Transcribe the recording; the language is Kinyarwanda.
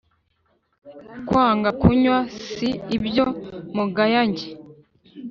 Kwanga kunywa si ibyo mugaya njye